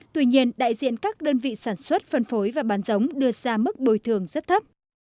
tuy nhiên đại diện các đơn vị sản xuất phân phối và bán giống đưa ra mức bồi thường rất thấp